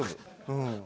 うん。